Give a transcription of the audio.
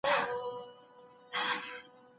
ستا په غېږ کي دوه ګلابه خزانېږي